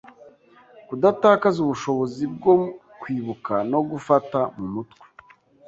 kudatakaza ubushobozi bwo kwibuka no gufata mu mutwe